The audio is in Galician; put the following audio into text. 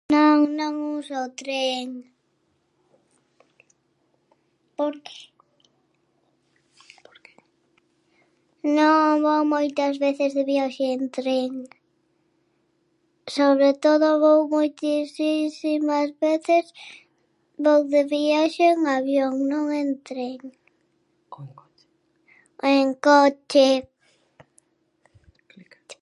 Non, non uso o tren. Porque non vou moitas veces de viaxe en tren. Sobre todo vou moitisísimas veces, vou de viaxe en avión, non en tren ou en coche.